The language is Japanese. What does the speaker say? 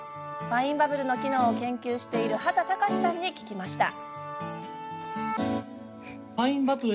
ファインバブルの機能を研究している秦隆志さんに聞きました。